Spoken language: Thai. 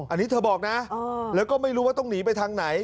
อันนี้เธอบอกนะแล้วก็ไม่รู้ว่าต้องหนีไปทางไหน